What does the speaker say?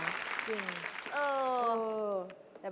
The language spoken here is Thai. เบ๊กเองก็ยินมา